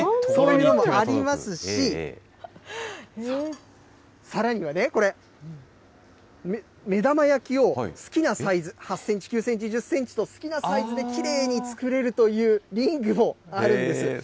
専用の道具も、そういうのもありますし、さらにはね、これ、目玉焼きを好きなサイズ、８センチ、９センチ、１０センチと好きなサイズできれいに作れるというリングもあるんです。